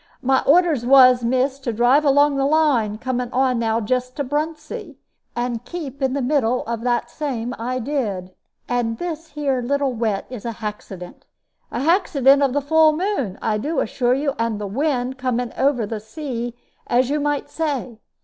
"My orders was, miss, to drive along the line coming on now just to Bruntsea, and keep in the middle of that same I did, and this here little wet is a haxident a haxident of the full moon, I do assure you, and the wind coming over the sea, as you might say.